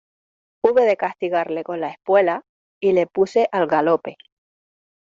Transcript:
hube de castigarle con la espuela, y le puse al galope.